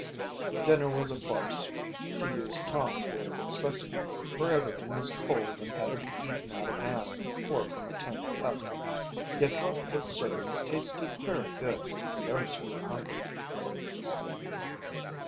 Dinner was a farce, to use Tom's way of expressing it, for everything was cold and had to be eaten out of hand or from a tin cup. Yet what was served tasted very good to those who were hungry.